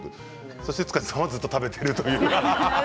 そして塚地さんはずっと食べている。